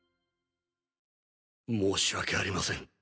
申し訳ありません。